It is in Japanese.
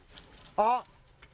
あっ！